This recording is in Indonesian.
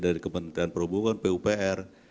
dari kementerian perhubungan pupr